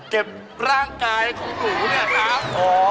เก็บร่างกายของเบาเหรอครับ